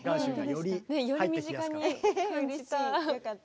より身近に感じた。